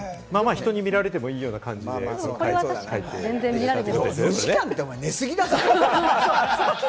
人に見られてもいいような感４時間って、お前、寝すぎだろ！